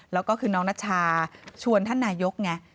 แล้วก็คือน้องนัชชาชวนท่านนายกไง